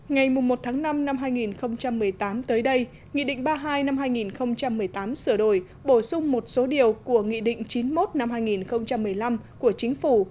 ngày một tháng năm năm hai nghìn một mươi tám tới đây nghị định ba mươi hai năm hai nghìn một mươi tám sửa đổi bổ sung một số điều của nghị định chín mươi một năm hai nghìn một mươi năm của chính phủ